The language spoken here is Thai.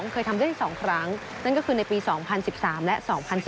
เคยทำได้๒ครั้งนั่นก็คือในปี๒๐๑๓และ๒๐๑๙